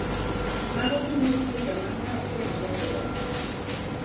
Mago gin nyithindo ma ne ok dhi maber e